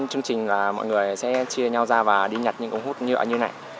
chương trình là mọi người sẽ chia nhau ra và đi nhặt những ống hút nhựa như này